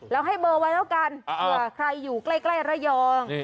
แล้วให้เบอร์ไว้แล้วกันเผื่อใครอยู่ใกล้ระยอง